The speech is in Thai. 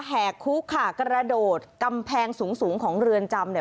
แห่คุกค่ะกระโดดกำแพงสูงสูงของเรือนจำเนี่ย